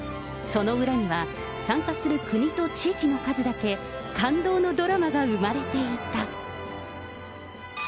その裏には、参加する国と地域の数だけ、感動のドラマが生まれていた。